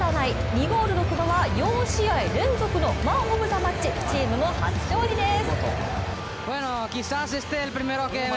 ２ゴールの久保は２連続のマン・オブ・ザ・マッチチームも初勝利です。